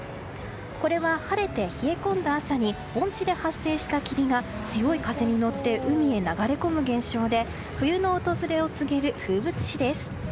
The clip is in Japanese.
これは晴れて冷え込んだ朝に盆地で発生した霧が強い風に乗って海に流れ込む現象で冬の訪れを告げる風物詩です。